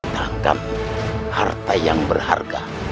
tanggap harta yang berharga